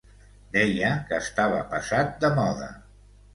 Deia que estava passat de moda...